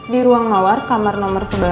di ruang mawar kamar nomor sebelas